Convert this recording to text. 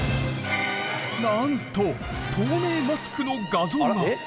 なんと透明マスクの画像が。